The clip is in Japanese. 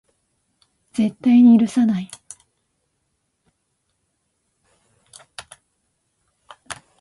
絶対に許さない